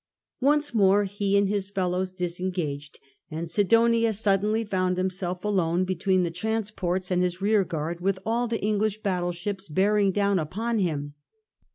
Once more he and his fellows disengaged, and Sidonia suddenly found himself alone between the transports and his rearguard, with all the English battle ships bearing down upon him.